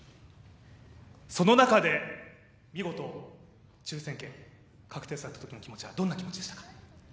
その中で見事抽選券、確定されたときの気持ちはどんな気持ちでしたか。